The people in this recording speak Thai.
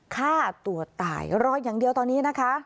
ฆ่าตัวตายรออย่างเดียวตอนนี้นะคะ